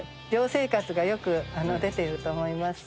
寮生活がよく出ていると思います。